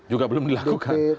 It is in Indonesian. juga belum dilakukan